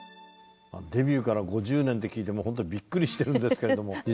デビューから５０年って聞いてホントにビックリしてるんですけれども。